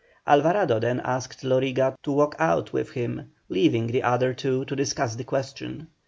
Alvarado then asked Loriga to walk out with him, leaving the other two to discuss the question.